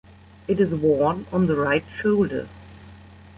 It is worn on the right shoulder.